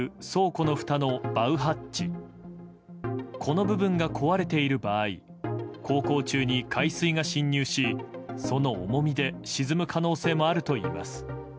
この部分が壊れている場合航行中に海水が侵入しその重みで沈む可能性もあるといいます。